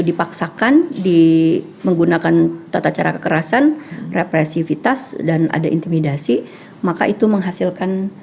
dipaksakan di menggunakan tata cara kekerasan represifitas dan ada intimidasi maka itu menghasilkan